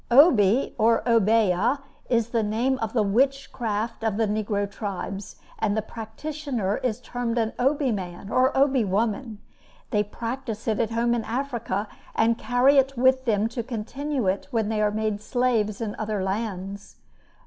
Obi or Obeah, is the name of the witchcraft of the negro tribes; and the practitioner is termed an Obi man or Obi woman. They practice it at home in Africa, and carry it with them to continue it when they are made slaves in other lands.